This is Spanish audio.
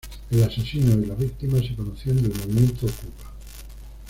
El asesino y la víctima se conocían del Movimiento Okupa.